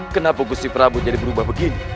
kenapa kursi prabu jadi berubah begini